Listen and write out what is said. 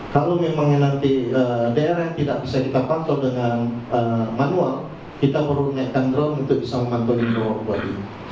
kalau memang nanti drm tidak bisa kita pantau dengan manual kita perlu menaikkan drone untuk bisa memantau di bawah